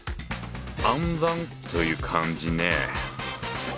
「暗算」という漢字ね。